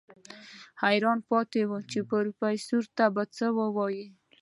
حيران پاتې و چې پروفيسر ته به څه وايي.